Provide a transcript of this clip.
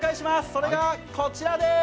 それがこちらです。